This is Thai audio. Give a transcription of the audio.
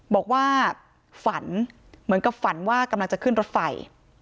บอกว่าฝันเหมือนกับฝันว่ากำลังจะขึ้นรถไฟ